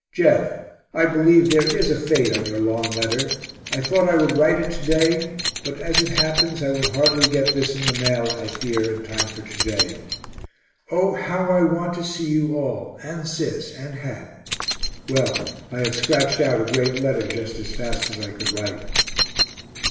Jeff, I believe there is a fate on your long letter; I thought I would write it to day, but as it happens I will hardly get this in the mail, I fear, in time for to day. O how I want to see you all, and Sis and Hat. Well, I have scratched out a great letter just as fast as I could write.